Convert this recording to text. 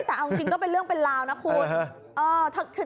แต่เอาจริงก็เป็นเรื่องเป็นราวนะคุณ